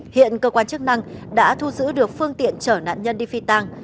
hiện cơ quan chức năng đã thu giữ được phương tiện trở nạn nhân đi phi tang